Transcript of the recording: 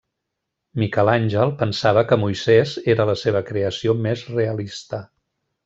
Miquel Àngel pensava que Moisés era la seva creació més realista.